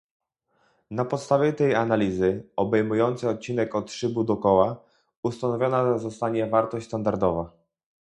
Na podstawie tej analizy, obejmującej odcinek od szybu do koła, ustanowiona zostanie wartość standardowa